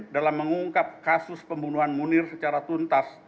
dalam mengungkap kasus pembunuhan munir secara tuntas